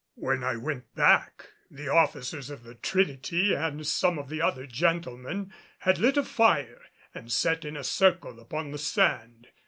When I went back the officers of the Trinity and some of the other gentlemen had lit a fire and sat in a circle upon the sand.